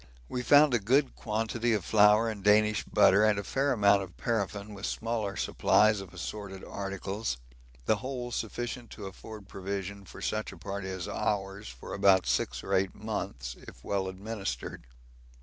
We found a good quantity of flour and Danish butter and a fair amount of paraffin, with smaller supplies of assorted articles the whole sufficient to afford provision for such a party as ours for about six or eight months if well administered.